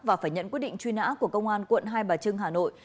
và phải nhận quyết định truy nã của công an quận hai bà trưng hà nội